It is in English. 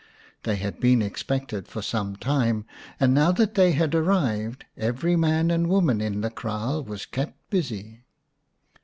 They had been expected for some time, and now that they had arrived every man and woman in the kraal was kept busy.